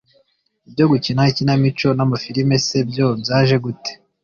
ibyo gukina ikinamico n’amafilime se byo byaje gute?